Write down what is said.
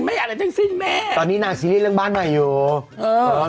อะไรทั้งสิ้นแม่ตอนนี้นางซีรีส์เรื่องบ้านใหม่อยู่เออ